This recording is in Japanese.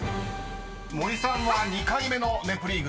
［森さんは２回目の『ネプリーグ』と］